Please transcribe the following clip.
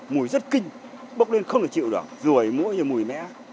mùi rất kinh bốc lên không thể chịu được rùi mũi như mùi mẽ